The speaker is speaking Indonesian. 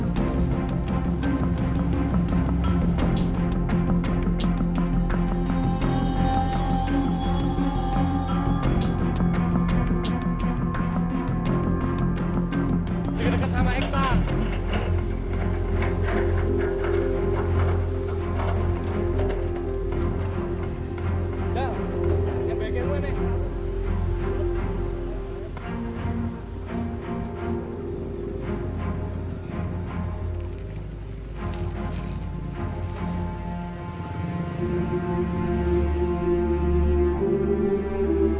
kita akan mencoba ekstra